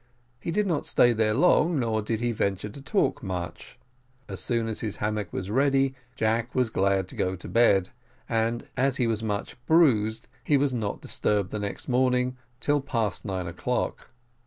He did not stay there long, nor did he venture to talk much. As soon as his hammock was ready, Jack was glad to go to bed and as he was much bruised he was not disturbed the next morning till past nine o'clock.